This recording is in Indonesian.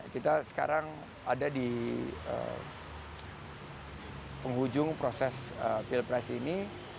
kita sekarang ada di penghujung proses pilpres ini